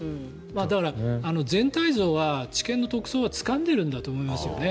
だから、全体像は地検の特捜はつかんでるんだと思いますよね。